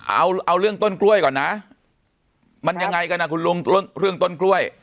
เอาเอาเรื่องต้นกล้วยก่อนนะมันยังไงกันอ่ะคุณลุงเรื่องต้นกล้วย